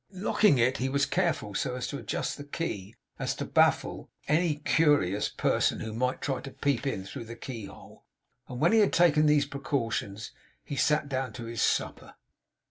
In locking it, he was careful so to adjust the key as to baffle any curious person who might try to peep in through the key hole; and when he had taken these precautions, he sat down to his supper.